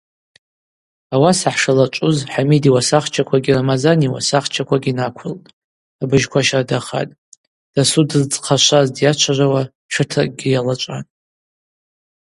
Ауаса хӏшалачӏвуз Хӏамид йуасахчаквагьи Рамазан йуасахчаквагьи наквылтӏ, абыжьква щардахатӏ, дасу дыздзхъашваз дйачважвауа тшытракӏгьи йалачӏван.